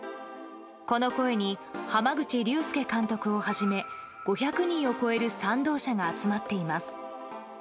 この声に濱口竜介監督をはじめ５００人を超える賛同者が集まっています。